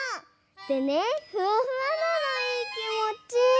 でねふわふわなのいいきもち！